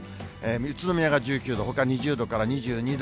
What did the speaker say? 宇都宮が１９度、ほか２０度から２２度。